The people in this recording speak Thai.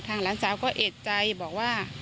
หลานสาวก็เอกใจบอกว่า